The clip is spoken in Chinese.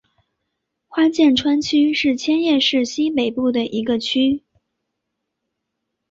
花见川区是千叶市西北部的一个区。